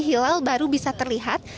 hilal baru bisa terlihat